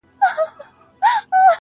د اله زار خبري ډېري ښې دي.